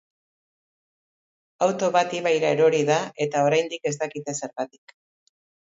Auto bat ibaira erori da eta oraindik ez dakite zergatik.